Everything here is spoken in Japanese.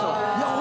俺。